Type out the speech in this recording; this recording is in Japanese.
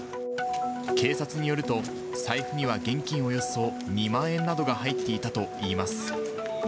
警察によると、財布には現金およそ２万円などが入っていたといいます。